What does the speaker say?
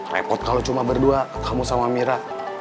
repot kalau cuma berdua kamu sama mira